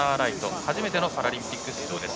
初めてのパラリンピック出場です。